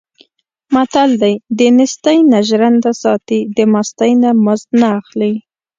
متل دی: دنېستۍ نه ژرنده ساتي، د مستۍ نه مزد نه اخلي.